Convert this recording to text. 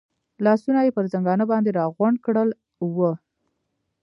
لاسونه یې پر زنګانه باندې را غونډ کړل، اوه.